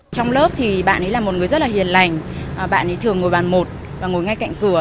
trong lớp thì bạn ấy là một người rất là hiền lành bạn ấy thường ngồi bàn một và ngồi ngay cạnh cửa